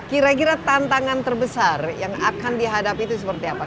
kira kira tantangan terbesar yang akan dihadapi itu seperti apa